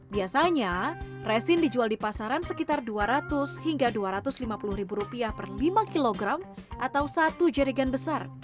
biasanya resin dijual di pasaran sekitar dua ratus hingga dua ratus lima puluh ribu rupiah per lima kilogram atau satu jerigen besar